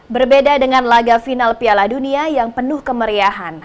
berbeda dengan laga final piala dunia yang penuh kemeriahan